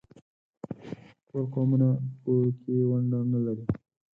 ټول قومونه په کې ونډه نه لري.